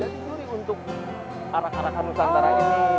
jadi juri untuk arak arakan nusantara ini